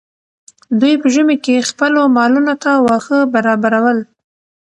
دوی په ژمي کې خپلو مالونو ته واښه برابرول.